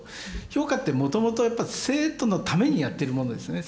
評価ってもともとやっぱ生徒のためにやってるものですね。